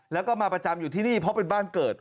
แล้วก็มาประจำอยู่ที่นี่เพราะเป็นบ้านเกิด